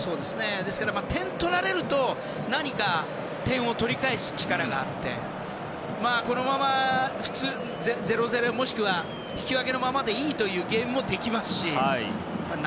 ですから点を取られると何か点を取り返す力があってこのまま０−０もしくは引き分けのままでいいというゲームもできますし。